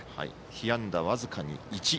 被安打、僅かに１。